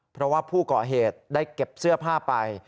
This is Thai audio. เพราะว่าผู้ก่อเหตุได้เก็บเสื้อผ้าไป